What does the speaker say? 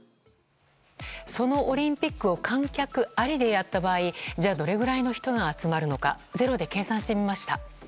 そのオリンピックを観客ありでやった場合どれくらいの人が集まるのか「ｚｅｒｏ」で計算してみました。